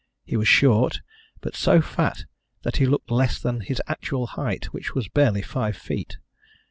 He was short, but so fat that he looked less than his actual height, which was barely five feet.